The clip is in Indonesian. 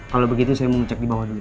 kalau begitu saya mau cek di bawah dulu